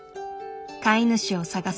買い主を探す